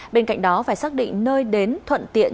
bên cạnh đó phải xác định nơi đến thuận tiện